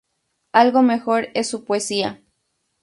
Algo mejor es su poesía.